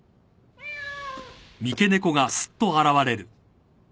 ニャー。